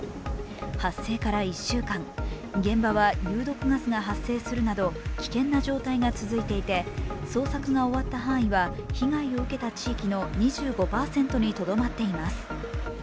発生から１週間、現場は有毒ガスが発生するなど危険な状態が続いていて、捜索が終わった範囲は被害を受けた地域の２５％にとどまっています。